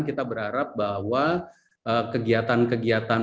kita berharap bahwa kegiatan kegiatan